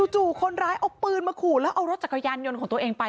จู่คนร้ายเอาปืนมาขู่แล้วเอารถจักรยานยนต์ของตัวเองไป